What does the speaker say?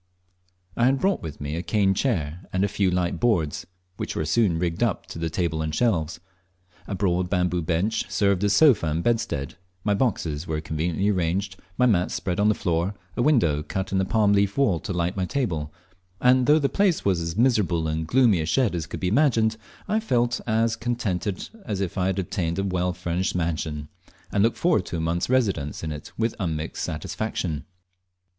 I had brought with me a cane chair, and a few light boards, which were soon rigged up into a table and shelves. A broad bamboo bench served as sofa and bedstead, my boxes were conveniently arranged, my mats spread on the floor, a window cut in the palm leaf wall to light my table, and though the place was as miserable and gloomy a shed as could be imagined, I felt as contented as if I had obtained a well furnished mansion, and looked forward to a month's residence in it with unmixed satisfaction.